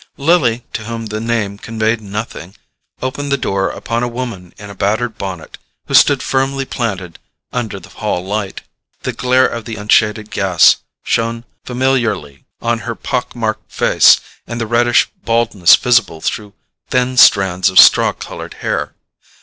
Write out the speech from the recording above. Lily, to whom the name conveyed nothing, opened the door upon a woman in a battered bonnet, who stood firmly planted under the hall light. The glare of the unshaded gas shone familiarly on her pock marked face and the reddish baldness visible through thin strands of straw coloured hair.